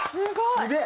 すげえ！